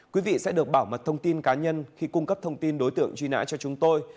quý vị sẽ được bảo mật thông tin cá nhân khi cung cấp thông tin đối tượng truy nã cho chúng tôi